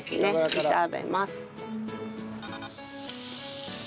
炒めます。